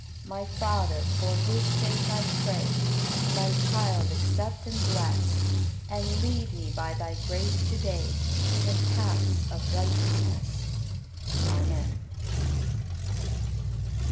My Father, for His sake I pray. Thy child accept and bless And lead me by Thy grace to day In paths of righteousness. Amen.